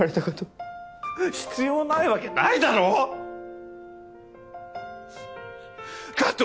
必要ないわけないだろう！だ